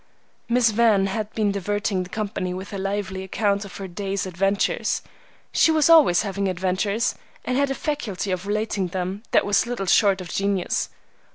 Miss Van had been diverting the company with a lively account of her day's adventures. She was always having adventures, and had a faculty of relating them that was little short of genius.